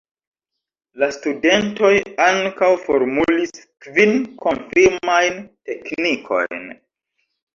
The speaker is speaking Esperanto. La studentoj ankaŭ formulis kvin "konfirmajn teknikojn".